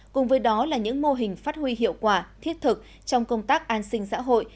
cùng với đó là những mô hình phát huy hiệu quả thiết thực trong công tác an sinh xã hội